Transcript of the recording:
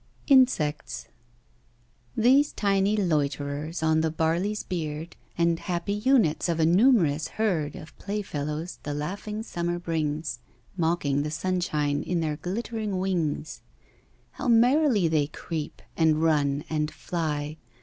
Insects These tiny loiterers on the barley's beard, And happy units of a numerous herd Of playfellows, the laughing Summer brings, Mocking the sunshine in their glittering wings, How merrily they creep, and run, and fly!